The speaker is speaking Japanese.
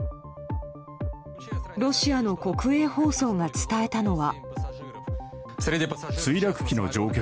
ロシアの国営放送が伝えたのは。